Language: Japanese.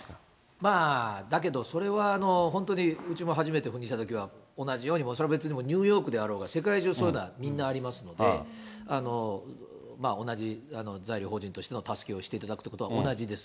まあ、だけどそれは本当にうちも初めて赴任したときには、同じように、それは別にニューヨークであろうが、世界中そういうのはみんなありますので、同じ在留邦人としての助けをしていただくというのは同じです。